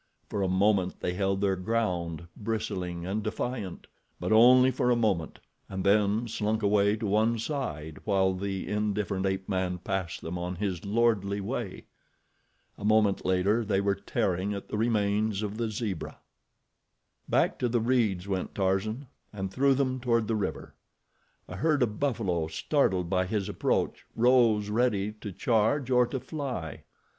For a moment they held their ground, bristling and defiant; but only for a moment, and then slunk away to one side while the indifferent ape man passed them on his lordly way. A moment later they were tearing at the remains of the zebra. Back to the reeds went Tarzan, and through them toward the river. A herd of buffalo, startled by his approach, rose ready to charge or to fly.